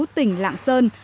tỉnh lạng sơn